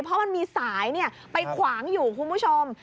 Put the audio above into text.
เพราะมันมีสายไปขวางอยู่คุณผู้ชม